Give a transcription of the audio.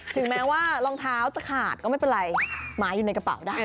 ถึงแม้ว่ารองเท้าจะขาดก็ไม่เป็นไรหมาอยู่ในกระเป๋าได้